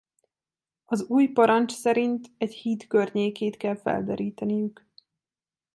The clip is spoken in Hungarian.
Az új parancs szerint egy híd környékét kell felderíteniük.